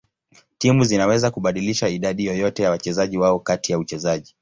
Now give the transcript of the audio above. Timu zinaweza kubadilisha idadi yoyote ya wachezaji wao kati ya uchezaji.